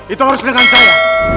itu harus dengan saya